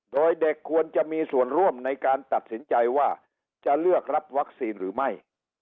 โดยเด็กควรจะมีส่วนร่วมในการตัดสินใจว่าจะเลือกรับวัคซีนหรือไม่